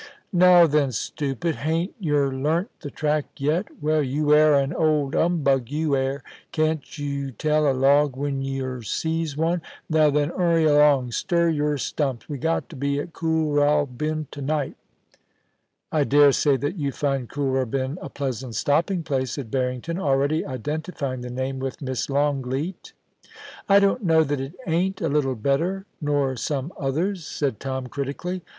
* Now then, stoopid ! Hain't yer learnt the track yet ? Well, you air ai> old 'umbug, you air ! Can't yer tell a log when yer sees one ? Now then, 'urry along : stir your stumps ! we've got to be at Kooralbyn to night* * I dare say that you find Kooralbyn a pleasant stopping place,' said Barrington, already identifying the name with Miss Longleat * I don't know that it ain't a little better nor some others,* said Tom, critically.